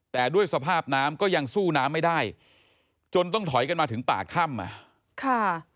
แต่ด้วยสภาพน้ำก็ยังสู้น้ำไม่ได้จนต้องถอยกันมาถึงปากถ้ำอ่ะค่ะ